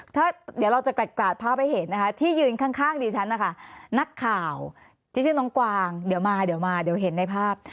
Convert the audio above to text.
ถ้าเดี๋ยวเราจะกราดภาพให้เห็นนะคะที่ยืนข้างดิฉันนะคะนักข่าวที่ชื่อน้องกวางเดี๋ยวมาเดี๋ยวมาเดี๋ยวเห็นในภาพ